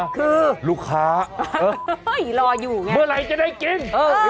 คือลูกค้าเมื่อไหร่จะได้กิน